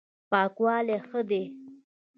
پاکوالی ښه دی.